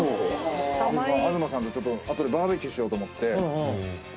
東さんとあとでバーベキューしようと思って。